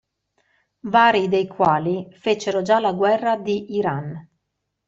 Vari dei quali fecero già la guerra di Iran.